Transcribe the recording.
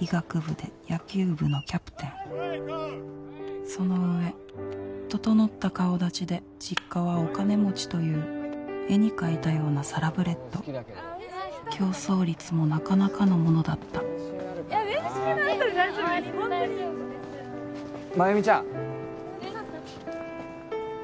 医学部で野球部のキャプテンその上整った顔立ちで実家はお金持ちという絵に描いたようなサラブレッド競争率もなかなかのものだった練習あるからなぁ練習の後繭美ちゃん